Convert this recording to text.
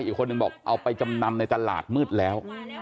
อีกคนนึงบอกเอาไปจำนำในตลาดมืดแล้ว